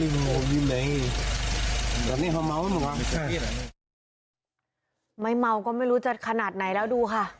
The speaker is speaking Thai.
ตอนนี้พอเมาต์ไม่ใช่ไม่เมาต์ก็ไม่รู้จัดขนาดไหนแล้วดูค่ะ